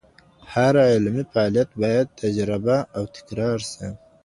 هر علمي فعاليت بايد تجربه او تکرار سي.